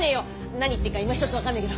何言ってっかいまひとつ分かんねえけど。